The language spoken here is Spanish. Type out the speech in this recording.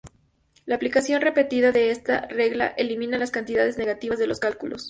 La aplicación repetida de esta regla elimina las cantidades negativas de los cálculos.